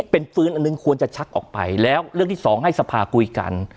เป็นปืนอันหนึ่งควรจะชักออกไปแล้วเรื่องที่สองให้สภาคุยกัน